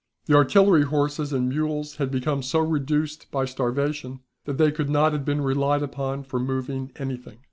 "The artillery horses and mules had become so reduced by starvation that they could not have been relied upon for moving anything.